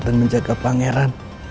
dan menjaga pangeran